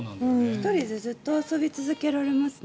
１人でずっと遊び続けられますね。